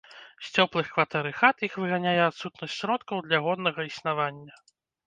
З цёплых кватэр і хат іх выганяе адсутнасць сродкаў для годнага існавання.